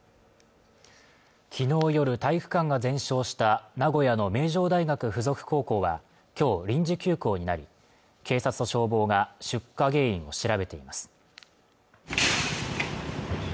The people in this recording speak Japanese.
昨日夜体育館が全焼した名古屋の名城大学附属高校はきょう臨時休校になり警察と消防が出火原因を調べています